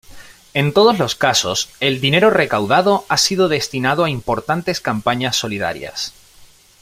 En todos los casos, el dinero recaudado ha sido destinado a importantes campañas solidarias.